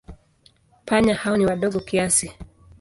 Panya hao ni wadogo kiasi.